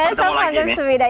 ketemu lagi nih